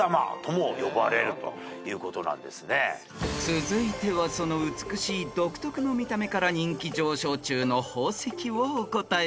［続いてはその美しい独特の見た目から人気上昇中の宝石をお答えください］